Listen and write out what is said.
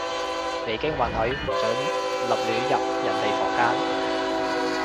未經允許，唔准立亂入人哋間房